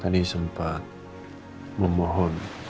tadi sempat memohon